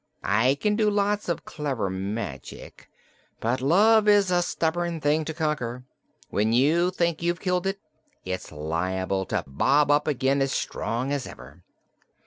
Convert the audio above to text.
I can do lots of clever magic, but love is a stubborn thing to conquer. When you think you've killed it, it's liable to bob up again as strong as ever.